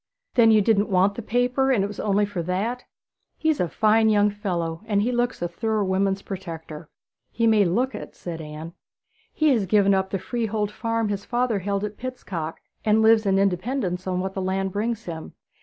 'Then you didn't want the paper and it was only for that!' 'He's a very fine young fellow; he looks a thorough woman's protector.' 'He may look it,' said Anne. 'He has given up the freehold farm his father held at Pitstock, and lives in independence on what the land brings him.